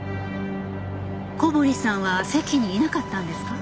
小堀さんは席にいなかったんですか？